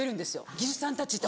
技術さんたちって。